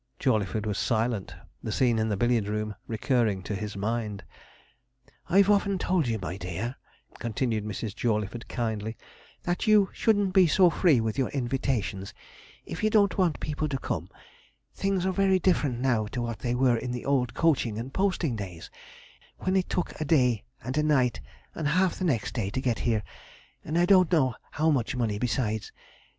Jawleyford was silent, the scene in the billiard room recurring to his mind. 'I've often told you, my dear,' continued Mrs. Jawleyford, kindly, 'that you shouldn't be so free with your invitations if you don't want people to come; things are very different now to what they were in the old coaching and posting days, when it took a day and a night and half the next day to get here, and I don't know how much money besides.